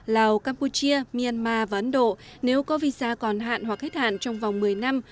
lào campuchia myanmar và ấn độ nếu có visa còn hạn hoặc hết hạn trong vòng một mươi năm